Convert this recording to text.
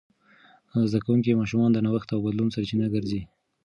زده کوونکي ماشومان د نوښت او بدلون سرچینه ګرځي.